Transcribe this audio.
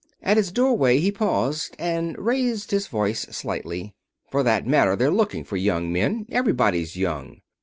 At his doorway he paused and raised his voice slightly: "For that matter, they're looking for young men. Everybody's young.